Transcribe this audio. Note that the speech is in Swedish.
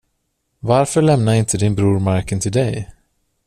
Varför lämnade inte din bror marken till dig?